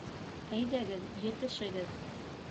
Әйҙәгеҙ, етешегеҙ.